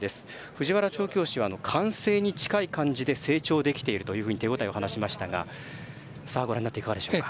藤原調教師は完成に近い感じで成長できているというふうに手応えを話しましたがご覧になっていかがでしょうか？